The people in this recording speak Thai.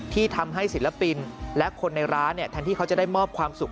ที่ทำให้ศิลปินและคนในร้านแทนที่เขาจะได้มอบความสุข